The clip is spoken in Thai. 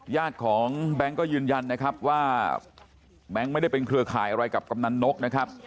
ญาติของแบงค์ก็ยืนยันนะครับว่าแบงค์ไม่ได้เป็นเครือข่ายอะไรกับกำนันนกนะครับ